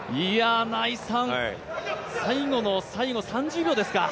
最後の最後、３０秒ですか。